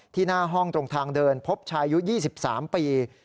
ที่หน้าห้องตรงทางเดินพบชายุทธ์๒๓ปี